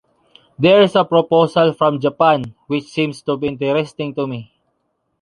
There is a proposal from Japan, which seems to be interesting to me.